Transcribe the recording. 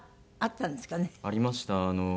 ありました。